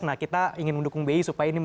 nah kita ingin mendukung bi supaya ini